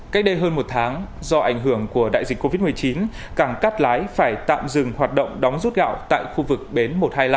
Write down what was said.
cách đây hơn một tháng do ảnh hưởng của đại dịch covid một mươi chín cảng cát lái phải tạm dừng hoạt động đóng rút gạo tại khu vực bến một trăm hai mươi năm